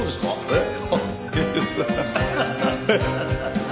えっ？